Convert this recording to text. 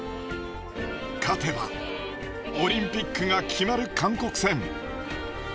勝てばオリンピックが決まる韓国戦。